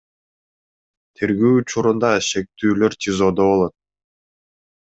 Тергөө учурунда шектүүлөр ТИЗОдо болот.